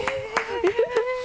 えっ。